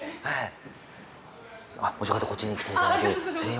はい。